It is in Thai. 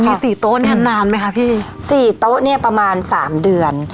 มีสี่โต๊ะเนี้ยนานไหมคะพี่สี่โต๊ะเนี่ยประมาณสามเดือน